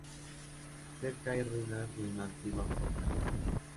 Cerca hay ruinas de una antigua fortaleza.